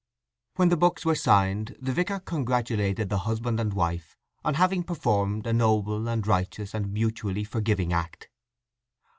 When the books were signed the vicar congratulated the husband and wife on having performed a noble, and righteous, and mutually forgiving act.